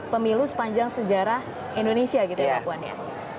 pemilu sepanjang sejarah indonesia gitu ya mbak puan ya